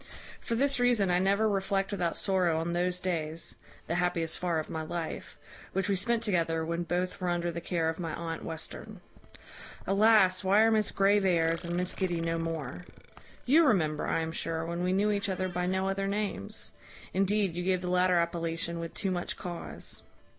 "For this reason, I never reflect without sorrow on those days (the happiest far of my life) which we spent together when both were under the care of my aunt Western. Alas! why are Miss Graveairs and Miss Giddy no more? You remember, I am sure, when we knew each other by no other names. Indeed, you gave the latter appellation with too much cause.